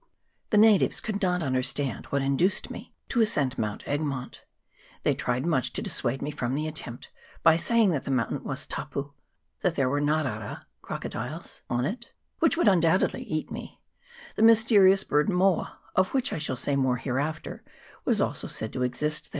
The natives could not understand what induced me to ascend Mount Egmont ; they tried much to dissuade me from the attempt, by saying that the mountain was " tapu," that there were ngarara (crocodiles) on it, which would undoubtedly eat me ; the mysterious bird " moa," of which I shall say more hereafter, was also said to exist there.